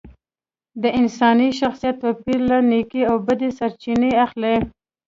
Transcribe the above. د انساني شخصیت توپیر له نیکۍ او بدۍ سرچینه اخلي